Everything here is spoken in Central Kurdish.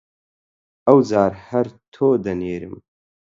ئەوجار هەر تۆ دەنێرم!